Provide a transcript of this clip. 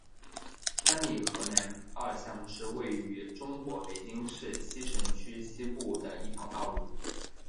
三里河南二巷是位于中国北京市西城区西部的一条道路。